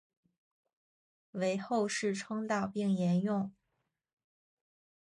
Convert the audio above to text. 为后世称道并沿用。